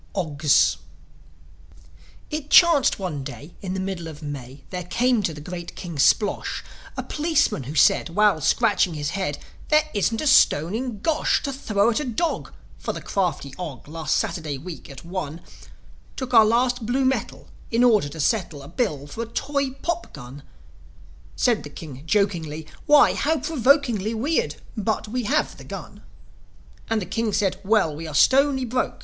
OGS It chanced one day, in the middle of May, There came to the great King Splosh A policeman, who said, while scratching his head, "There isn't a stone in Gosh To throw at a dog; for the crafty Og, Last Saturday week, at one, Took our last blue metal, in order to settle A bill for a toy pop gun." Said the King, jokingly, "Why, how provokingly Weird; but we have the gun." And the King said, "Well, we are stony broke."